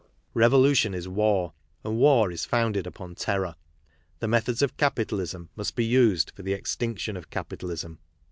Revolution is war, and war is founded (upon terror. The methods of capitalism must be used ;for the extinction of capitalism.